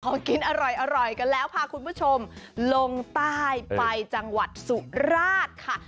กินอร่อยกันแล้วพาคุณผู้ชมลงใต้ไปจังหวัดสุราชค่ะ